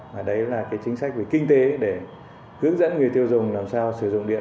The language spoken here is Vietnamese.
và đấy là cái chính sách về kinh tế để hướng dẫn người tiêu dùng làm sao sử dụng điện